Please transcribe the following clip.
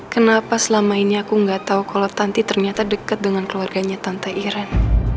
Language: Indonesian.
kenapa selama ini aku enggak tahu kalau tanti ternyata dekat dengan keluarganya tante iren